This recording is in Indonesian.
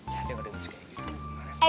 ya dia gak denger suka ini